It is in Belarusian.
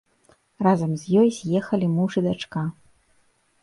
Разам з ёй з'ехалі муж і дачка.